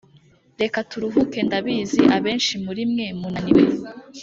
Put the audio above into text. reka turuhuke ndabizi abenshi muri mwe munaniwe